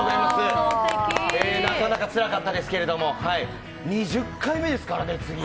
ええ、なかなかつらかったですけど２０回目ですからね、次。